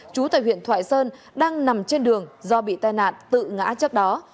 chú tại huyện thoại sơn đang nằm trên đường do bị tai nạn tự ngã trước đó